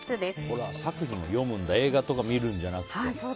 ホラー作品を読むんだ映画とか見るんじゃなく。